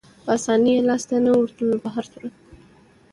په اسانۍ یې لاسته نه ورتلو، په هر صورت.